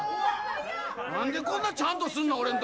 なんでこんなちゃんとするの俺の時！